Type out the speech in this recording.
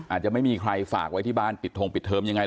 อาจจะไม่มีใครฝากไว้ที่บ้านปิดทงปิดเทอมยังไง